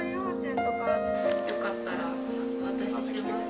よかったらお渡しします。